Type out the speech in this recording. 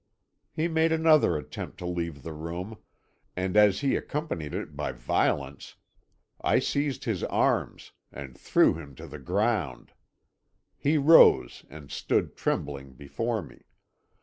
"He made another attempt to leave the room, and as he accompanied it by violence, I seized his arms, and threw him to the ground. He rose, and stood trembling before me.